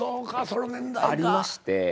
その年代か。ありまして。